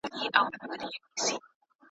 انګازې به یې خپرې سوې په درو کي `